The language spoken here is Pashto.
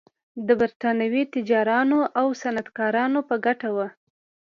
د برېټانوي تاجرانو او صنعتکارانو په ګټه و.